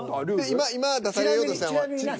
今出されようとしたのは。